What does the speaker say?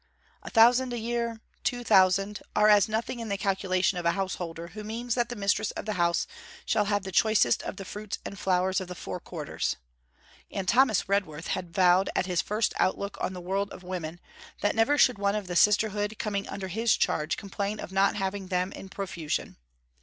a thousand a year, two thousand, are as nothing in the calculation of a householder who means that the mistress of the house shall have the choicest of the fruits and flowers of the Four Quarters; and Thomas Redworth had vowed at his first outlook on the world of women, that never should one of the sisterhood coming under his charge complain of not having them in profusion.